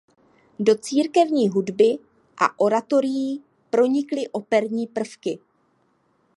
Do církevní hudby a oratorií pronikly operní prvky.